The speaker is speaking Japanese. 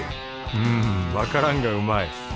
うんわからんがうまい。